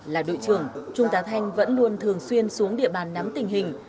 là đội trưởng trung tá thanh vẫn luôn thường xuyên xuống địa bàn nắm tình hình